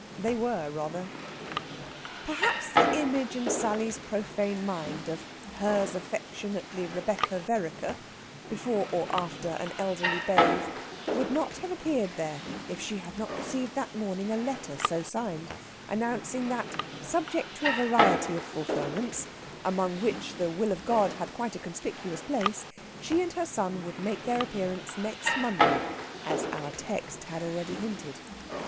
They were, rather. Perhaps the image in Sally's profane mind of "hers affectionately, Rebecca Vereker," before or after an elderly bathe, would not have appeared there if she had not received that morning a letter so signed, announcing that, subject to a variety of fulfilments among which the Will of God had quite a conspicuous place she and her son would make their appearance next Monday, as our text has already hinted.